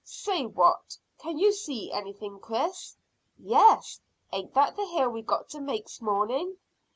"Say what? Can you see anything?" asked Chris. "Yes; ain't that the hill we've got to make 'smorning?"